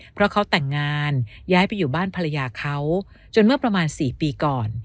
เพราะเขาแต่งงานย้ายไปอยู่บ้านภรรยาเขาจนเมื่อประมาณ๔ปีก่อน